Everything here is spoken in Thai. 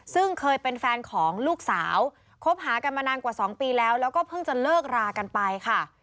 ซึ่งเคยเป็นแฟนของลูกสาวคบหากันมานานกว่า๒ปีแล้วแล้วก็เพิ่งจะเลิกรากันไปค่ะ